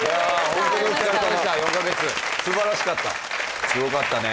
ホントにお疲れさまでした４か月素晴らしかったすごかったね